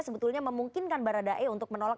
sebetulnya memungkinkan baradae untuk menolak